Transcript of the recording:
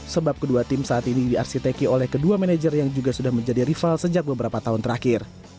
sebab kedua tim saat ini diarsiteki oleh kedua manajer yang juga sudah menjadi rival sejak beberapa tahun terakhir